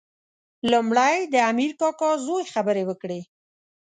لومړی د امیر کاکا زوی خبرې وکړې.